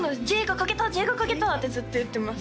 「Ｊが書けたＪが書けた」ってずっと言ってます